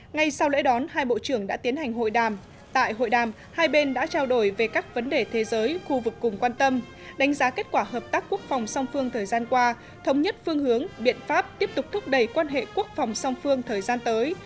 ngay sau lễ đón hai bộ trưởng đã tiến hành hội đàm tại hội đàm hai bên đã trao đổi về các vấn đề thế giới khu vực cùng quan tâm đánh giá kết quả hợp tác quốc phòng song phương thời gian qua thống nhất phương hướng biện pháp tiếp tục thúc đẩy quan hệ quốc phòng song phương thời gian tới